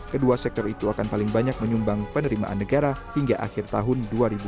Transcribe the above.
kedua sektor itu akan paling banyak menyumbang penerimaan negara hingga akhir tahun dua ribu dua puluh